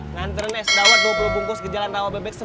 nantren es dawet dua puluh bungkus ke jalan rauw bebek sembilan